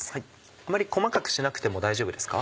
あまり細かくしなくても大丈夫ですか？